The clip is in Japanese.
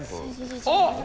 あっ！